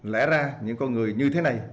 lẽ ra những con người như thế này